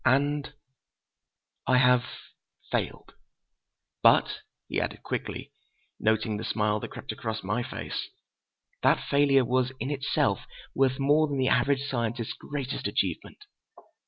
And ... I have—failed! "But," he added quickly, noting the smile that crept across my face, "that failure was in itself worth more than the average scientist's greatest achievement!